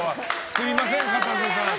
すみません、かたせさん。